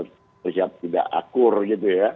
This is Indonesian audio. harus siap tidak akur gitu ya